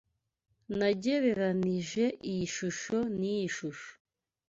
Nagereranije iyi shusho niyi shusho.